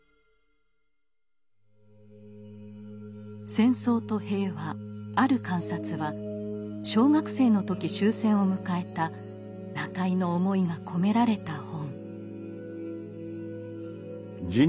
「戦争と平和ある観察」は小学生の時終戦を迎えた中井の思いが込められた本。